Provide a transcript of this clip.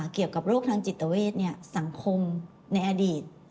เกี่ยวกับโรคทางจิตเวทสังคมในอดีต